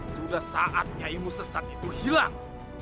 sudah saatnya ilmu sesat itu hilang